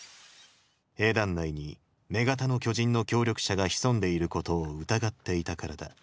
兵団内に女型の巨人の協力者が潜んでいることを疑っていたからだ。